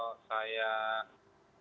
kalau lihatkan saya saya percaya